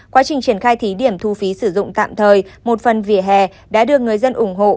quá trình triển khai thí điểm thu phí sử dụng tạm thời một phần vỉa hè đã được người dân ủng hộ